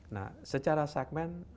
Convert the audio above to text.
nah secara segmen